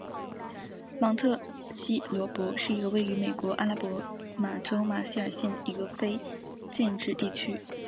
芒特希伯伦是一个位于美国阿拉巴马州马歇尔县的非建制地区。